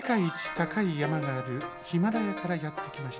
たかいやまがあるヒマラヤからやってきました。